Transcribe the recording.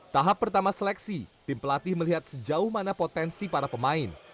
tahap pertama seleksi tim pelatih melihat sejauh mana potensi para pemain